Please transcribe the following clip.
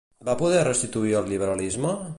Va poder restituir el liberalisme?